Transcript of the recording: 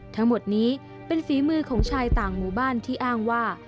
ทั้งหมดนี้เป็นฝีมือของชายต่างหมู่บ้านที่อ้างว่า